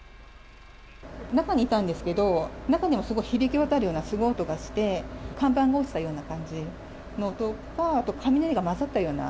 中にいたんですけど、中にもすごい響き渡るようなすごい音がして、看板が落ちたような感じの音か、あと、雷が混ざったような。